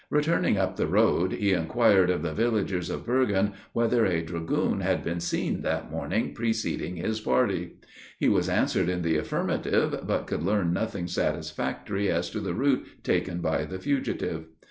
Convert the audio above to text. Returning up the road, he inquired of the villagers of Bergen, whether a dragoon had been seen that morning preceding his party. He was answered in the affirmative, but could learn nothing satisfactory as to the route taken by the fugitive.